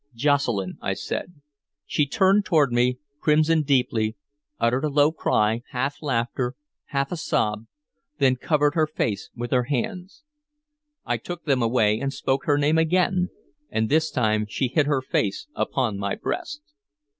"Jocelyn," I said. She turned toward me, crimsoned deeply, uttered a low cry, half laughter, half a sob, then covered her face with her hands. I took them away and spoke her name again, and this time she hid her face upon my breast.